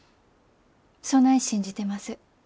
そない信じてます。